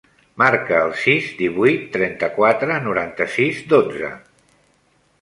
Marca el sis, divuit, trenta-quatre, noranta-sis, dotze.